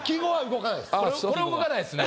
これ動かないですね。